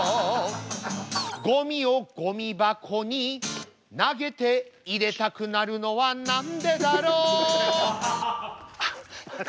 ごみをごみ箱に投げて入れたくなるのはなんでだろうあっ。